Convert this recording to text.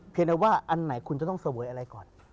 ว่าอันไหนคุณจะต้องเสวยอะไรก่อน